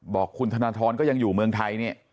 บอกคุณธนทรก็ยังอยู่เมืองไทยนี่